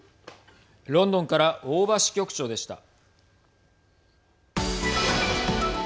ロンドンから大庭支局長でした。